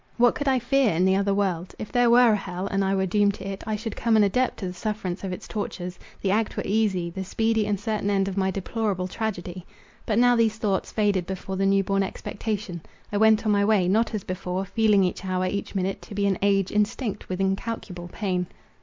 What could I fear in the other world? If there were an hell, and I were doomed to it, I should come an adept to the sufferance of its tortures—the act were easy, the speedy and certain end of my deplorable tragedy. But now these thoughts faded before the new born expectation. I went on my way, not as before, feeling each hour, each minute, to be an age instinct with incalculable pain.